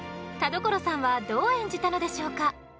田所さんはどう演じたのでしょうか？